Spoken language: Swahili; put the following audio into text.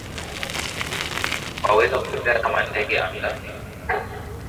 Waweza kupepea kama ndege angani?